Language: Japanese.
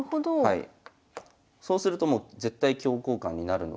はい。